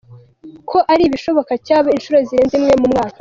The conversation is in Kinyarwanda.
ko ari ibishoboka cyaba inshuro zirenze imwe mu mwaka.